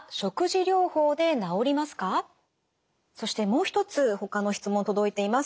そしてもう一つほかの質問届いています。